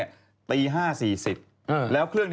เยอะ